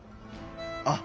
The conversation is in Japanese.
あっ！